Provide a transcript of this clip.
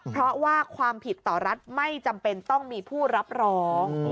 เพราะว่าความผิดต่อรัฐไม่จำเป็นต้องมีผู้รับร้อง